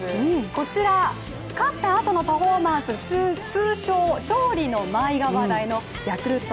こちら、勝ったあとのパフォーマンス通称・勝利の舞が話題のヤクルト